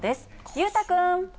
裕太君。